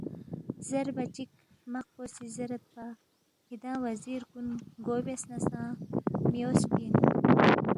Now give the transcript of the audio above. زیربا چِک ہرمق پو سی زیریدپا، کِھدانگ وزیر کُن گو بیاس نہ سہ می اوسپی اِن